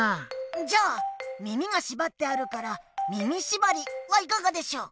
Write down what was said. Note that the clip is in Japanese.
じゃあ耳がしばってあるから「耳しばり」はいかがでしょう。